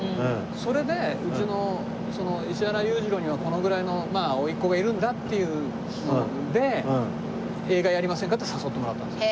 それでうちの石原裕次郎にはこのぐらいの甥っ子がいるんだっていうので映画やりませんかって誘ってもらったんです。